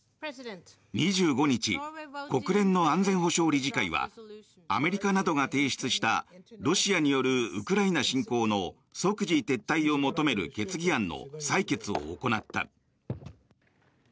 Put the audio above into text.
２５日国連の安全保障理事会はアメリカなどが提出したロシアによるウクライナ侵攻の即時撤退を求める決議案の採決を行った。